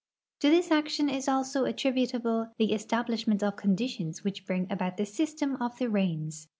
To this action is also attributable the establishment of conditions which bring about the system of the rains.